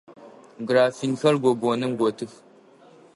Графинхэр гогоным готых.